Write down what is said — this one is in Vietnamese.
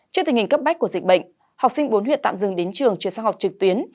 trước tình hình cấp bách của dịch bệnh học sinh bốn huyện tạm dừng đến trường chưa sang học trực tuyến